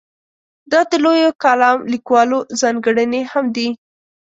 دا د لویو کالم لیکوالو ځانګړنې هم دي.